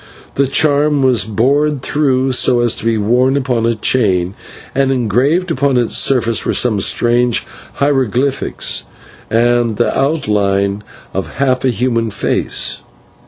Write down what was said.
The charm was bored through so as to be worn upon a chain, and engraved upon its surface were some strange hieroglyphics and the outline of half a human face.